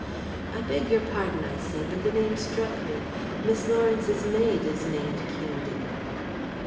"I beg your pardon," I said, "but the name struck me. Miss Lawrence's maid is named Kingdon."